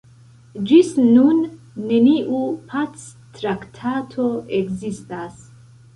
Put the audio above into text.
Ĝis nun neniu pactraktato ekzistas.